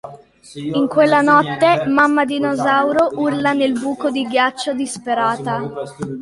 In quella notte mamma dinosauro, urla dal buco di ghiaccio disperata.